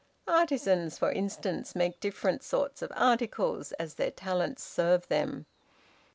Artisans, for instance, make different sorts of articles, as their talents serve them.